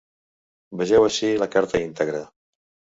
Vegeu ací la carta íntegra.